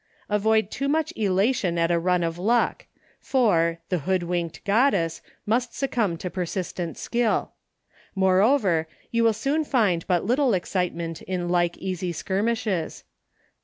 Avoid too much elation at a run of luck, for, " the hood wink'd goddess 1 ' must succumb to persistent skill : moreover, you will soon find but little excitement in like easy skirmishes.